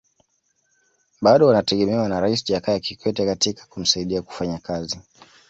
Bado wanategemewa na Rais Jakaya Kikwete katika kumsaidia kufanya kazi